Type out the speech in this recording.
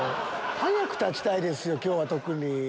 早く立ちたいですよ今日は特に。